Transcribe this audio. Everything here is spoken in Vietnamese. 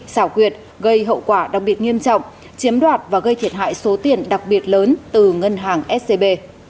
xảo quyệt gây hậu quả đặc biệt nghiêm trọng chiếm đoạt và gây thiệt hại số tiền đặc biệt lớn từ ngân hàng scb